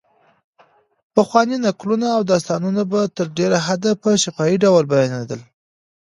پخواني نکلونه او داستانونه په تر ډېره حده په شفاهي ډول بیانېدل.